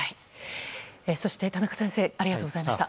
そして、田中先生ありがとうございました。